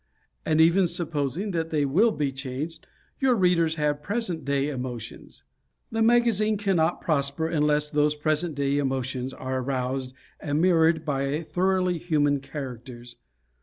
And even supposing that they will be changed, your readers have present day emotions. The magazine can not prosper unless those present day emotions are aroused and mirrored by thoroughly human characters.